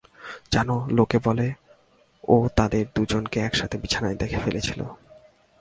জানো, লোকে বলে ও তাদের দুজনকে একসাথে বিছানায় দেখে ফেলেছিল।